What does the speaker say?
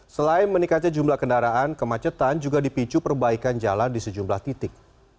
selain meningkatnya jumlah kendaraan kemacetan juga dipicu perbaikan jalan di sejumlah titik